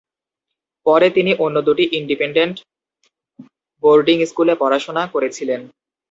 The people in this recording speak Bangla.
পরে তিনি অন্য দুটি ইন্ডিপেনডেন্ট বোর্ডিং স্কুলে পড়াশোনা করেছিলেন।